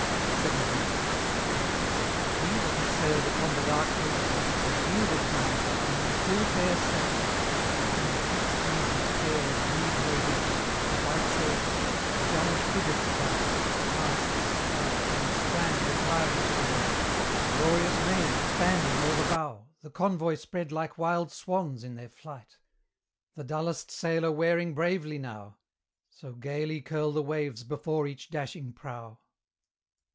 XVII. He that has sailed upon the dark blue sea, Has viewed at times, I ween, a full fair sight; When the fresh breeze is fair as breeze may be, The white sails set, the gallant frigate tight, Masts, spires, and strand retiring to the right, The glorious main expanding o'er the bow, The convoy spread like wild swans in their flight, The dullest sailer wearing bravely now, So gaily curl the waves before each dashing prow.